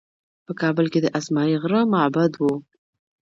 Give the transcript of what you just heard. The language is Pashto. په کابل کې د اسمايي غره معبد و